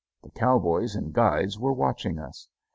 The cowboys and guides were watching us.